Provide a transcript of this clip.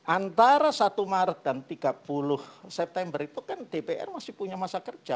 antara satu maret dan tiga puluh september itu kan dpr masih punya masa kerja